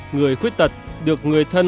người khuyết tật được người thân